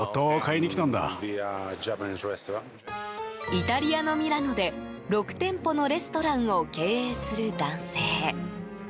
イタリアのミラノで、６店舗のレストランを経営する男性。